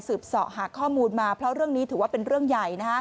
สอบหาข้อมูลมาเพราะเรื่องนี้ถือว่าเป็นเรื่องใหญ่